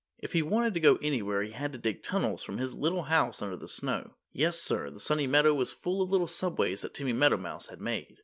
If he wanted to go anywhere he had to dig tunnels from his little house under the snow. Yes, sir. The Sunny Meadow was full of little subways that Timmy Meadowmouse had made.